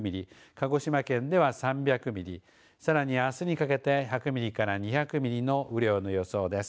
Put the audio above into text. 鹿児島県では３００ミリさらにあすにかけて１００ミリから２００ミリの雨量の予想です。